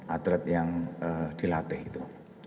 atlet yang dilatih itu